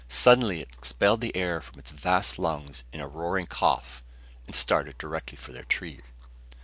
Suddenly it expelled the air from its vast lungs in a roaring cough and started directly for their tree.